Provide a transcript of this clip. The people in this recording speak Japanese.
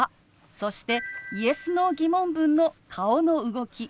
そしてＹｅｓ／Ｎｏー疑問文の顔の動き